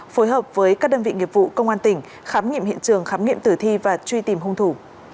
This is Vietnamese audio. phối hợp với các đơn vị nghiệp vụ công an tỉnh khám nghiệm hiện trường khám nghiệm tử thi và truy tìm hung thủ